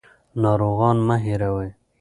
ناروغان مه هېروئ.